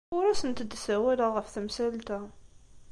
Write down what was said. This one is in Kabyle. Ur asent-d-ssawaleɣ ɣef temsalt-a.